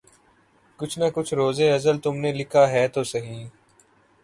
کچھ نہ کچھ روزِ ازل تم نے لکھا ہے تو سہی